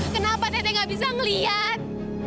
kenapa teh gak bisa ngeliat